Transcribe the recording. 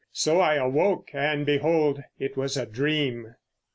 So I awoke, and behold it was a dream!"